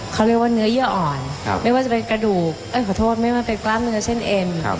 เขาเรียกว่าเนื้อเยื่ออ่อนไม่ว่าจะเป็นกระดูกขอโทษไม่ว่าเป็นกล้ามเนื้อเช่นเอ็น